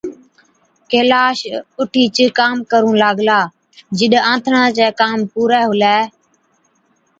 ڪيلاش اُٺِيچ ڪام ڪرُون لاگلا، جِڏ آنٿڻا چَي ڪام پُورَي هُلَي۔